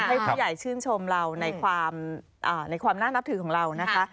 ให้ผู้ใหญ่ชื่นชมเราในความน่านับถือของเรานะคะ